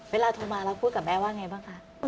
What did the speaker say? เวลาโทรมาแล้วคุยกับแม่ว่าอย่างไรบ้างคะ